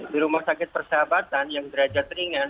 di rumah sakit persahabatan yang derajat ringan